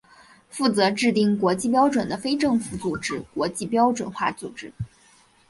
负责制定国际标准的非政府组织国际标准化组织。